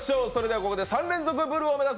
ここで３連続ブルを目指せ！